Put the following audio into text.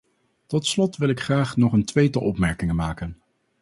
Tot slot wil ik graag nog een tweetal opmerkingen maken.